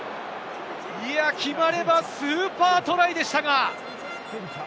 決まればスーパートライでしたが。